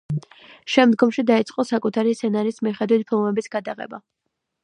შემდგომში დაიწყო საკუთარი სცენარის მიხედვით ფილმების გადაღება.